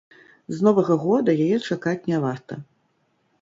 З новага года яе чакаць не варта.